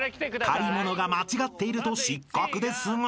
［借り物が間違っていると失格ですが］